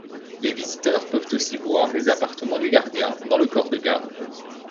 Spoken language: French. Les visiteurs peuvent aussi voir les appartements du gardien dans le corps de garde.